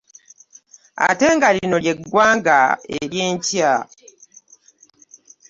Ate nga lino lyeggwanga eryenkya.